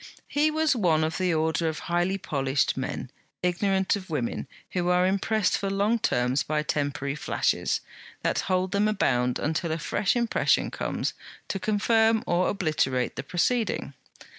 He was one of the order of highly polished men, ignorant of women, who are impressed for long terms by temporary flashes, that hold them bound until a fresh impression comes, to confirm or obliterate the preceding.